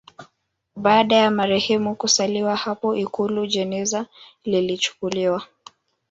Baada ya marehemu kusaliwa hapo Ikulu jeneza lilichukuliwa